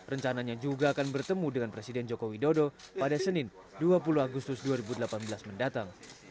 rencananya juga akan bertemu dengan presiden joko widodo pada senin dua puluh agustus dua ribu delapan belas mendatang